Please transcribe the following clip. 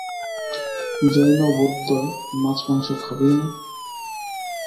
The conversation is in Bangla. জৈন-বৌদ্ধয় মাছ মাংস খাবেই না।